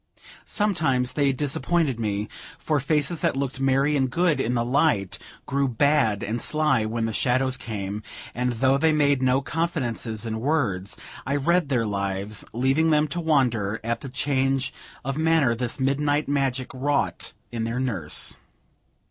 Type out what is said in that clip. Sometimes they disappointed me, for faces that looked merry and good in the light, grew bad and sly when the shadows came; and though they made no confidences in words, I read their lives, leaving them to wonder at the change of manner this midnight magic wrought in their nurse.